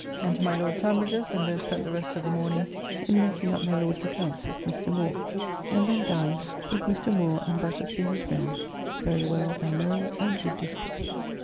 Then to my Lord Sandwich's, and there spent the rest of the morning in making up my Lord's accounts with Mr. Moore, and then dined with Mr. Moore and Battersby his friend, very well and merry, and good discourse.